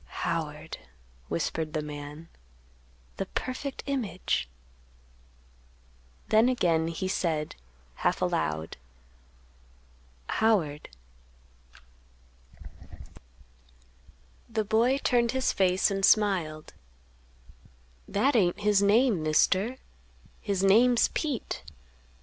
"Howard," whispered the man; "the perfect image;" then again he said, half aloud, "Howard." The boy turned his face and smiled; "That ain't his name, Mister; his name's Pete.